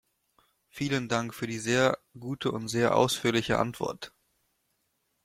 Vielen Dank für die sehr gute und sehr ausführliche Antwort.